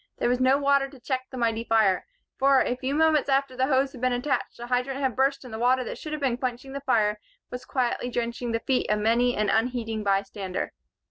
There was no water to check the mighty fire, for, a very few moments after the hose had been attached, the hydrant had burst and the water that should have been busy quenching the fire was quietly drenching the feet of many an unheeding bystander.